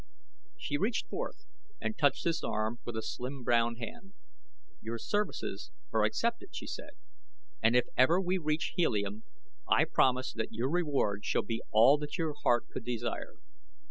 She reached forth and touched his arm with a slim brown hand. "Your services are accepted," she said; "and if ever we reach Helium I promise that your reward shall be all that your heart could desire."